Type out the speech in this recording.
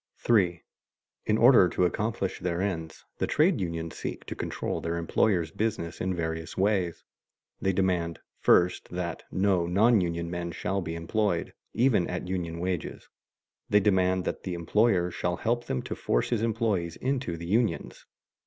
[Sidenote: The issue of the closed shop vs. the open shop] 3. In order to accomplish their ends, the trade unions seek to control their employers' business in various ways. They demand, first, that no non union men shall be employed even at union wages; they demand that the employer shall help them to force his employees into the unions.